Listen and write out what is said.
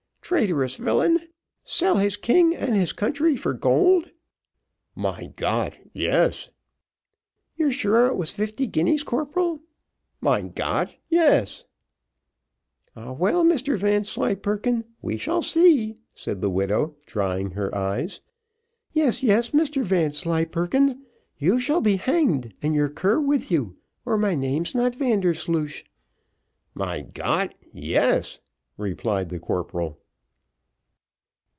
"Traitorous villain! sell his king and his country for gold!" "Mein Gott, yes." "You're sure it was fifty guineas, corporal?" "Mein Gott, yes." "Ah, well, Mr Vanslyperken, we shall see," said the widow, drying her eyes. "Yes, yes, Mr Vanslyperken, you shall be hanged, and your cur with you, or my name's not Vandersloosh." "Mein Gott, yes," replied the corporal.